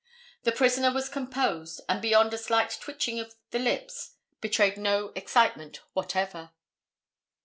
The prisoner was composed, and beyond a slight twitching of the lips betrayed no excitement whatever.